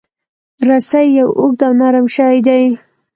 رسۍ یو اوږد او نرم شی دی.